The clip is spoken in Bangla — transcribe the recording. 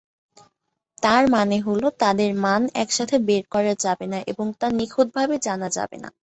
তার মানে হল, তাদের মান একসাথে বের করা যাবে না এবং তা নিখুঁতভাবে জানা যাবে না।